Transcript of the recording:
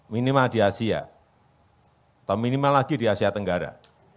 minimal di asia atau minimal lagi di asia tenggara